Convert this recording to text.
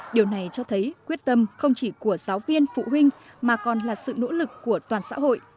điều này cho thấy quyết tâm không chỉ của giáo viên phụ huynh mà còn là sự nỗ lực của toàn xã hội